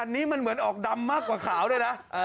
อันนี้มันเหมือนออกดำมากกว่าขาวด้วยนะ